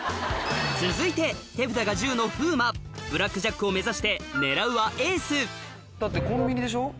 続いて手札が１０の風磨ブラックジャックを目指して狙うはエースだってコンビニでしょ？